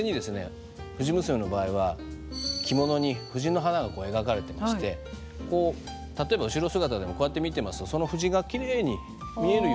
「藤娘」の場合は着物に藤の花が描かれてましてこう例えば後ろ姿でもこうやって見てますとその藤がきれいに見えるように。